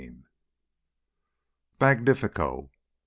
11 "Magnífico!"